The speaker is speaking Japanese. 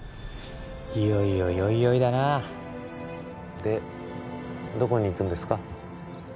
いよいよヨイヨイだなでどこに行くんですか？